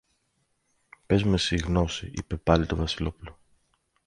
Πες μου εσύ, Γνώση, είπε πάλι το Βασιλόπουλο